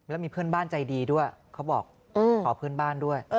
แล้วมีเพื่อนบ้านใจดีด้วยเขาบอกขอเพื่อนบ้านด้วย